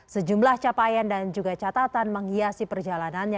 sejumlah capaian dan juga catatan menghiasi perjalanannya